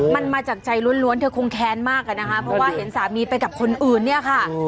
มันมาจากใจล้วนเธอคงแค้นมากอะนะคะเพราะว่าเห็นสามีไปกับคนอื่นเนี่ยค่ะ